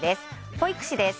保育士です。